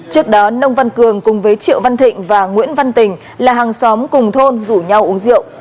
trước đó nông văn cường cùng với triệu văn thịnh và nguyễn văn tình là hàng xóm cùng thôn rủ nhau uống rượu